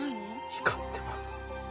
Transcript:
光ってます。